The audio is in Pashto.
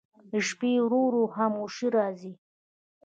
د شپې ورو ورو خاموشي راځي.